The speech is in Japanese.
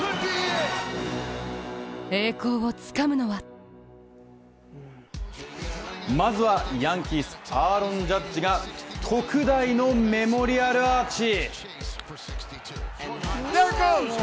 栄光をつかむのはまずは、ヤンキースアーロン・ジャッジが特大のメモリアルアーチ。